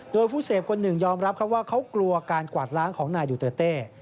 โดยผู้เสพคนหนึ่งยอมรับครับว่าเขากลัวการกวาดล้างของนายดูเตอร์เต้